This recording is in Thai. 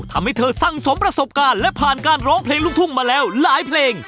ทำให้เธอสร้างสมประสบการณ์และผ่านการร้องเพลงลูกทุ่งมาแล้วหลายเพลง